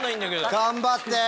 頑張って！